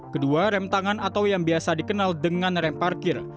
kedua rem tangan atau yang biasa dikenal dengan rem parkir